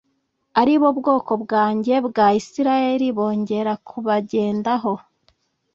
ari bo bwoko bwanjye bwa Isirayeli bongera kubagendaho